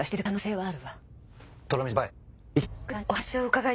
はい。